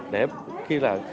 để khi là